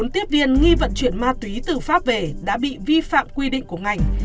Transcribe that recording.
bốn tiếp viên nghi vận chuyển ma túy từ pháp về đã bị vi phạm quy định của ngành